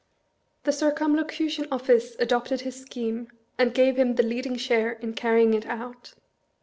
" The Circumlocution Office adopted his scheme, and gave him the leading share in carrying it out."